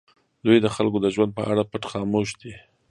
دوی د خلکو د ژوند په اړه پټ خاموش دي.